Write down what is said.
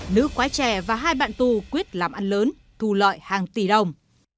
nữ quá trẻ và hai bạn tù quyết làm ăn lớn thu lợi hàng tỷ đồng